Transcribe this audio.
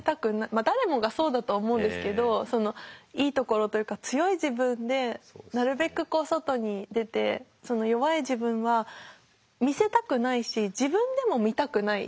まあ誰もがそうだと思うんですけどいいところというか強い自分でなるべくこう外に出て弱い自分は見せたくないし自分でも見たくない。